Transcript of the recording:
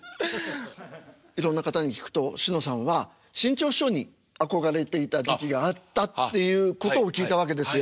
いろんな方に聞くとしのさんは志ん朝師匠に憧れていた時期があったていうことを聞いたわけですよ。